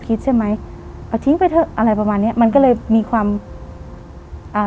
คิดใช่ไหมเอาทิ้งไปเถอะอะไรประมาณเนี้ยมันก็เลยมีความอ่า